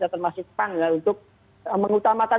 termasuk pan untuk mengutamakan